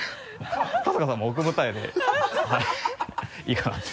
春日さんも奥二重でいいかなと。